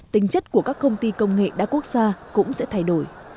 tính chất của các công ty công nghệ đa quốc gia cũng sẽ thay đổi